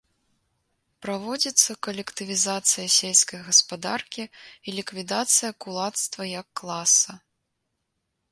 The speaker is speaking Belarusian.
Праводзіцца калектывізацыя сельскай гаспадаркі і ліквідацыя кулацтва як класа.